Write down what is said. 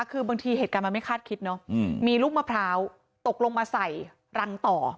คือบางทีเหตุการณ์มันไม่คาดคิดเนอะมีลูกมะพร้าวตกลงมาใส่รังต่อ